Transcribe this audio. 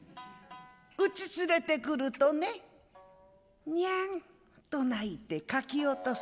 家連れて来るとねニャンと鳴いてかき落す。